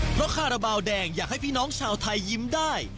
เพราะคาราบาลแดงอยากให้พี่น้องชาวไทยยิ้มได้